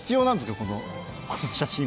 この写真は。